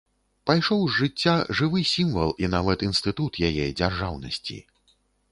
Пайшоў з жыцця жывы сімвал і нават інстытут яе дзяржаўнасці.